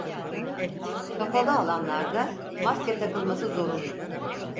Kapalı alanlarda maske takılması zorunlu.